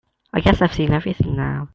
I guess I've seen everything now.